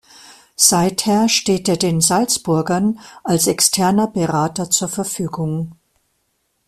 Seither steht er den Salzburgern als externer Berater zur Verfügung.